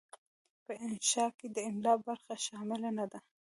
په انشأ کې د املاء برخه شامله نه ده.